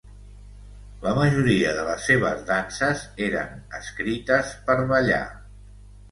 La majoria de les seves danses eren escrites per ballar.